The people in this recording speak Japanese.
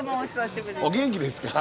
お元気ですか？